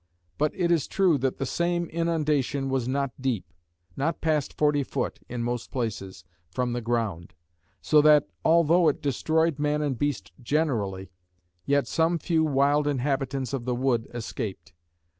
But it is true that the same inundation was not deep; not past forty foot, in most places, from the ground; so that although it destroyed man and beast generally, yet some few wild inhabitants of the wood escaped.